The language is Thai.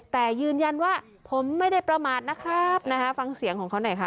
แต่ยืนยันว่าผมไม่ได้ประมาทนะครับนะฮะฟังเสียงของเขาหน่อยค่ะ